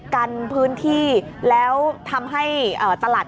ก็ไม่มีอำนาจ